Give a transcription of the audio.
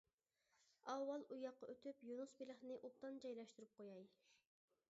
ئاۋۋال ئۇياققا ئۆتۈپ، يۇنۇس بېلىقىنى ئوبدان جايلاشتۇرۇپ قوياي.